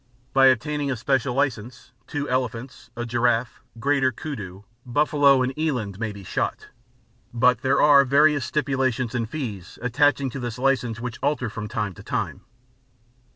By obtaining a special license two elephants, a giraffe, greater kudu, buffalo and eland may be shot; but there are various stipulations and fees attaching to this license which alter from time to time.